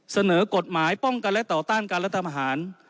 เสนอกฎหมายป้องกันและต่อต้านการรัฐประหาร